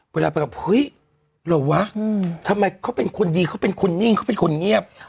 เวลาไปกับเฮ้ยเหรอวะทำไมเขาเป็นคนดีเขาเป็นคนนิ่งเขาเป็นคนเงียบ